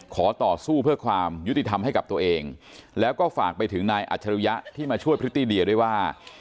ขอต่อสู้เพื่อความยุติธรรมให้กับตัวเองแล้วก็ฝากไปถึงนายอัจฉริยะที่มาช่วยพริตตี้เดียด้วยว่า